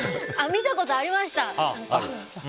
見たことありました！